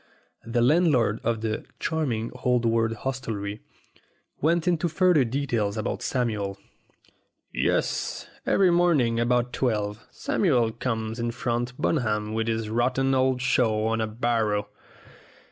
The landlord of the "charming old world hostelry" went into further detail about Samuel. "Yes, every morning about twelve Samuel comes in from Bunham with his rotten old show on a barrow.